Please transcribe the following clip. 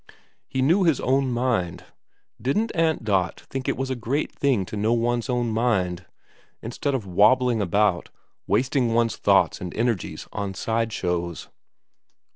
He knew hia own mind. Didn't Aunt Dot think it was a great thing to know one's own mind ? Instead of wobbling about, wasting one's thoughts and energies on side shows